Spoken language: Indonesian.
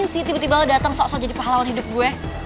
ngapain sih tiba tiba lo datang soal soal jadi pahlawan hidup gue